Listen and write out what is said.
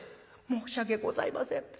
「申し訳ございません。